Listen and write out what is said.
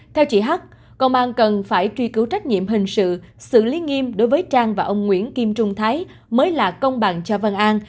theo chị h công an cần phải truy cứu trách nhiệm hình sự xử lý nghiêm đối với trang và ông nguyễn kim trung thái mới là công bằng cho văn an